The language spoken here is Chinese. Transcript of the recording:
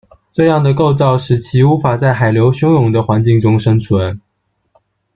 这样的构造使其无法在海流汹涌的环境中生存。